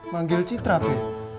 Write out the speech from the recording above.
manggil citra be